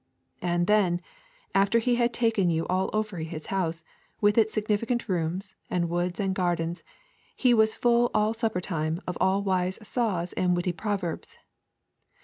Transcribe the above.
And then, after he had taken you all over his house, with its significant rooms and woods and gardens, he was full all supper time of all wise saws and witty proverbs.